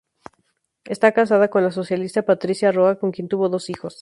Está casado con la socialista Patricia Roa, con quien tuvo dos hijos.